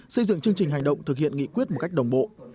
xây dựng chương trình hành động thực hiện nghị quyết một cách đồng bộ